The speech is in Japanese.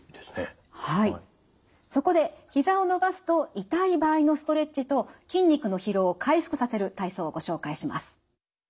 そこでひざを伸ばすと痛い場合のストレッチと筋肉の疲労を回復させる体操をご紹介します。